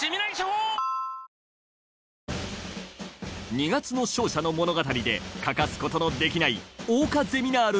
『二月の勝者』の物語で欠かすことのできない桜花ゼミナール